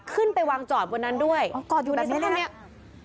ขึ้นไปวางจอดบนนั้นด้วยอ๋อจอดอยู่แบบนี้ตรงเนี้ย